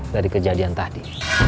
dari kejadian tadi